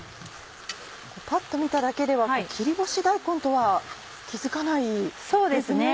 パッと見ただけでは切り干し大根とは気付かないですね。